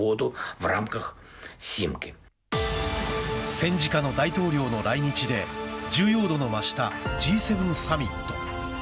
戦時下の大統領の来日で重要度の増した、Ｇ７サミット。